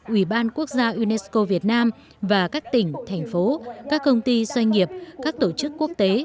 ubnd unesco việt nam và các tỉnh thành phố các công ty doanh nghiệp các tổ chức quốc tế